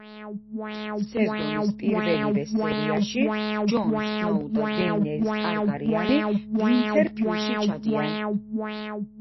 სეზონის პირველივე სერიაში ჯონ სნოუ და დეინერის ტარგარიანი ვინთერფილში ჩადიან.